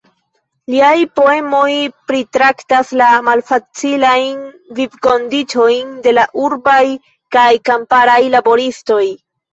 Liaj poemoj pritraktas la malfacilajn vivkondiĉojn de la urbaj kaj kamparaj laboristoj.